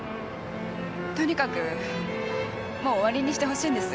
とにかくもう終わりにしてほしいんです。